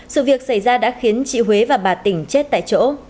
sự việc xảy ra đã khiến chị huế và bà tỉnh chết tại chỗ